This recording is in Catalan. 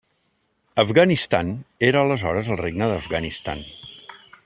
Afganistan era aleshores el Regne d'Afganistan.